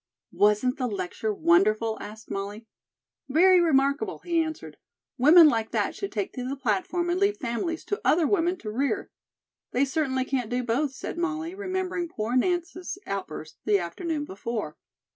"Wasn't the lecture wonderful?" asked Molly. "Very remarkable," he answered. "Women like that should take to the platform and leave families to other women to rear." "They certainly can't do both," said Molly, remembering poor Nance's outburst the afternoon before.